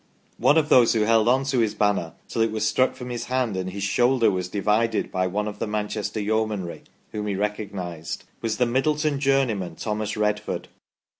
One of those who held on to his banner till it was struck from his hand, and his shoulder was divided by one of the Manchester Yeomanry (whom he recognised) was the Middleton journeyman, Thomas Redford.